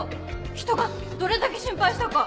ひとがどれだけ心配したか！